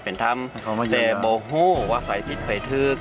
ภารกิจสรรค์ภารกิจสรรค์